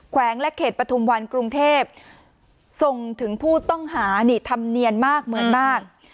แข่งและเขตปฐมวันกรุงเทพฯทรงถึงผู้ต้องหาทำเนียนมากเหมือนบ้าง